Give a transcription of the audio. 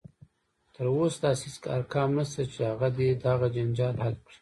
تر اوسه داسې هیڅ ارقام نشته دی چې هغه دې دغه جنجال حل کړي